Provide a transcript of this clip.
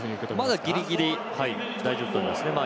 まだギリギリ大丈夫だと思います。